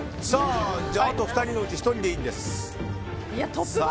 あと２人のうち１人でいいんです。